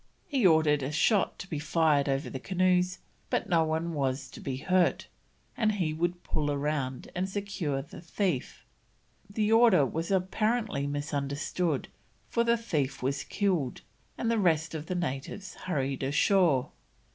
He ordered a shot to be fired over the canoes, but no one was to be hurt, and he would pull round and secure the thief. The order was apparently misunderstood, for the thief was killed, and the rest of the natives hurried ashore.